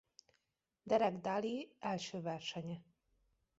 Derek Daly első versenye.